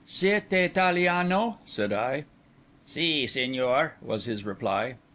"Siete Italiano?" said I. "Sì, signor," was his reply.